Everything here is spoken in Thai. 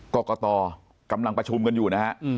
กรกตกำลังประชุมกันอยู่นะฮะ